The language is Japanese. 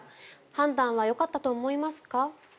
判断はよかったと思いますか？